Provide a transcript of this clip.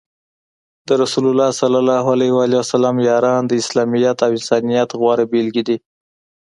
د رسول الله ص یاران د اسلامیت او انسانیت غوره بیلګې دي.